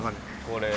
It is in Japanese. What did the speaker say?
「これ」